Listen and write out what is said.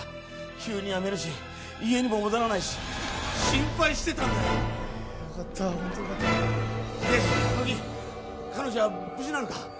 急に辞めるし家にも戻らないし心配してたんだよよかったホントよかったで乃木彼女は無事なのか？